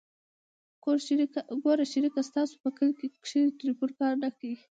ګوره شريکه ستاسو په کلي کښې ټېلفون کار نه کيي.